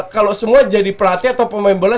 kalau semua jadi pelatih atau pemain bola